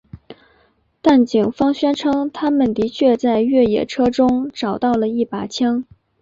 但警方宣称他们的确在越野车中找到了一把枪。